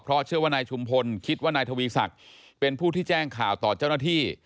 เพราะเชื่อว่านายชุมพลคิดว่านายทวีศักดิ์เป็นผู้ที่แจ้งข่าวต่อเจ้าหน้าที่